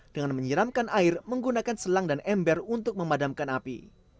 dengan menyiramkan air menggunakan selang dan ember untuk memadamkan api